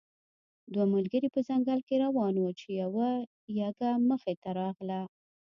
دوه ملګري په ځنګل کې روان وو چې یو یږه مخې ته راغله.